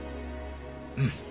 うん。